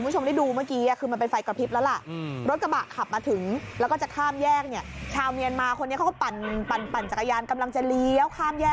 จักรยานี่พังยับเลย